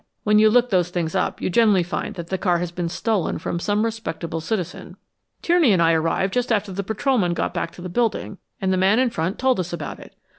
When you look those things up you generally find that the car has been stolen from some respectable citizen." "Tierney and I arrived just after the patrolmen got back to the building, and the man in front told us about it.